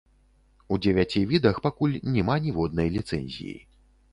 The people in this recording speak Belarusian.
У дзевяці відах пакуль няма ніводнай ліцэнзіі.